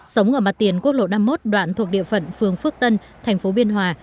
sống ở mặt tiền quốc lộ năm mươi một đoạn thuộc địa phận phường phước tân thành phố biên hòa